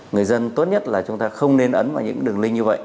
người dân tốt nhất là chúng ta không nên ấn vào những đường lin như vậy